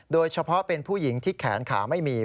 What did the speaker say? โดยเฉพาะเป็นผู้หญิงที่แขนขาไม่มี